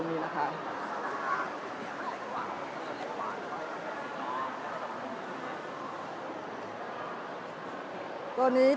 เดี๋ยวจะให้ดูว่าค่ายมิซูบิชิเป็นอะไรนะคะ